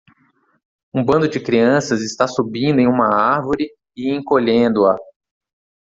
Um bando de crianças está subindo em uma árvore e encolhendo-a.